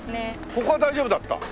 ここは大丈夫だった。